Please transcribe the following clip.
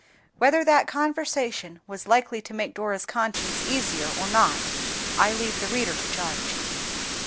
Whether that conversation was likely to make Dora's conscience easier or not, I leave the reader to judge.